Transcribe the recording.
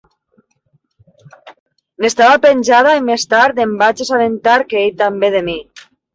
N'estava penjada, i més tard em vaig assabentar que ell també de mi.